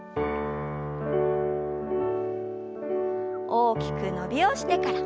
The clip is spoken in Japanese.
大きく伸びをしてから。